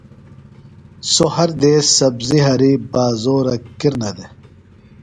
سوۡ ہر دیس سبزیۡ ہریۡ بازورہ کِرنہ دےۡ۔